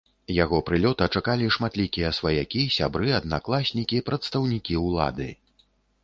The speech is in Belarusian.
Яго прылёта чакалі шматлікія сваякі, сябры, аднакласнікі, прадстаўнікі ўлады.